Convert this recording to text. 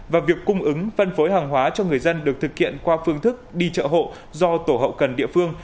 và việc cung ứng phân phối hàng hóa cho người dân được thực hiện qua phương thức đi chợ hộ do tổ hậu cần địa phương